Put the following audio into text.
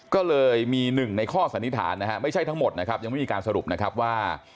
ก็เลยมีหนึ่งในข้อสันนิษฐานนะฮะไม่ใช่ทั้งหมดนะครับยังไม่มีการสรุปนะครับว่า